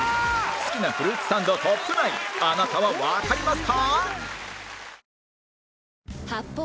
好きなフルーツサンドトップ９あなたはわかりますか？